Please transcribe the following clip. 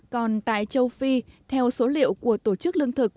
còn tại châu phi theo số liệu của tổ chức lương thực